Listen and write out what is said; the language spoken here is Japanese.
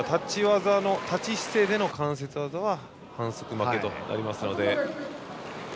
立ち姿勢での関節技は反則負けとなるので。